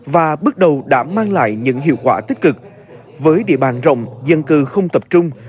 và bước đầu đã mang lại những hiệu quả tích cực với địa bàn rộng dân cư không tập trung